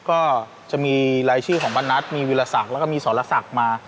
ก็จะมีรายชื่อของบรรณัฐมีวิรสักแล้วก็มีสรศักดิ์มา